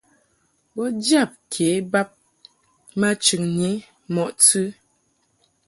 Bo jab ke bab ma chɨŋni mɔʼ tɨ.